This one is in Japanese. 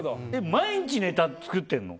毎日ネタ作ってるの？